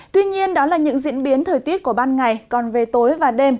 tuy nhiên đó là những diễn biến thời tiết của ban ngày còn về tối và đêm